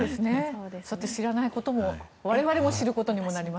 知らないことも我々も知ることにもなると思いますし。